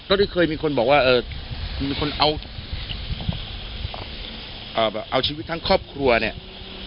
ก็เคยมีคนบอกว่าเอ่อมีคนเอาเอ่อแบบเอาชีวิตทั้งครอบครัวเนี่ย